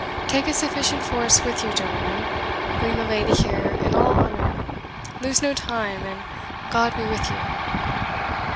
Take a sufficient force with you, gentlemen bring the lady here in all honour lose no time, and God be with you!"